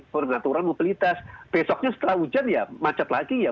peraturan mobilitas besoknya setelah hujan ya macet lagi ya